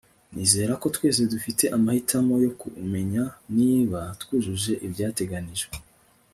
nizera ko twese dufite amahitamo yo kumenya niba twujuje ibyateganijwe